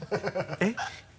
えっ？